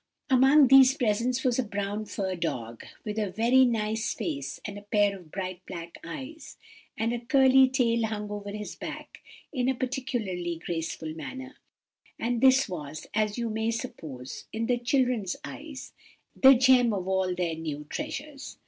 Among these presents was a brown fur dog, with a very nice face and a pair of bright black eyes, and a curly tail hung over his back in a particularly graceful manner; and this was, as you may suppose, in the children's eyes, the gem of all their new treasures.